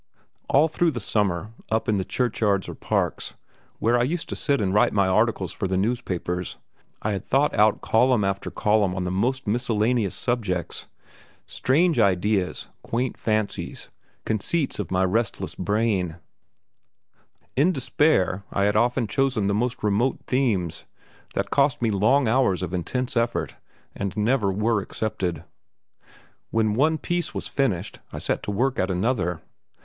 All through the summer, up in the churchyards or parks, where I used to sit and write my articles for the newspapers, I had thought out column after column on the most miscellaneous subjects. Strange ideas, quaint fancies, conceits of my restless brain; in despair I had often chosen the most remote themes, that cost me long hours of intense effort, and never were accepted. When one piece was finished I set to work at another.